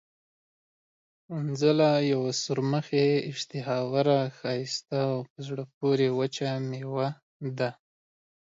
سنځله یوه سورمخې، اشتها اوره، ښایسته او په زړه پورې وچه مېوه ده.